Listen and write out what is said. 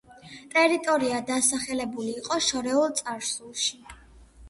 ტერიტორია დასახლებული იყო შორეულ წარსულში.